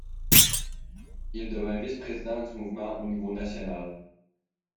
Il devint vice-président du mouvement au niveau national.